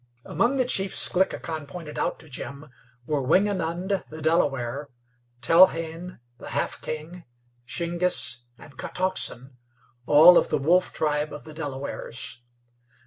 Among the chiefs Glickhican pointed out to Jim were Wingenund, the Delaware; Tellane, the Half King; Shingiss and Kotoxen all of the Wolf tribe of the Delawares.